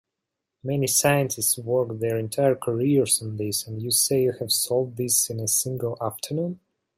Many scientists work their entire careers on this, and you say you have solved this in a single afternoon?